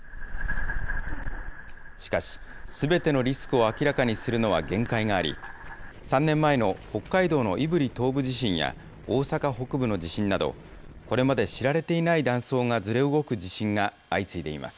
しかし、すべてのリスクを明らかにするのは限界があり、３年前の北海道の胆振東部地震や、大阪北部の地震など、これまで知られていない断層がずれ動く地震が相次いでいます。